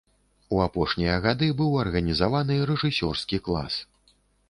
У апошнія гады быў арганізаваны рэжысёрскі клас.